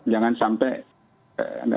jangan sampai naik tinggi ya